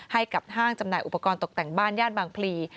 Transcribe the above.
ให้กับห้างจำหน่ายอุปกรณ์ตกแต่งบ้านย่านบางพลี